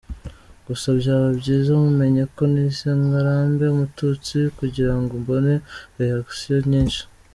Gusa byaba byiza mumenye ko nise Ngarambe umututsi kugirango mbone “réactions” nyinshi.